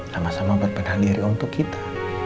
sama sama berpendah diri untuk kita